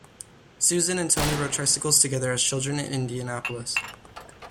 Susan and Tony rode tricycles together as children in Indianapolis.